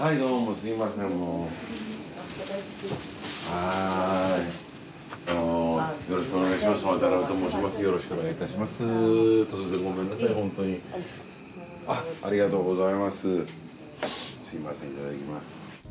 すみませんいただきます。